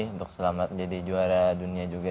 untuk selamat jadi juara dunia juga